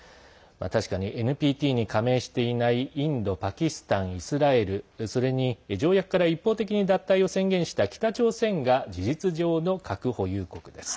確かにＮＰＴに加盟していないインド、パキスタン、イスラエルそれに条約から一方的に脱退を宣言した北朝鮮が事実上の核保有国です。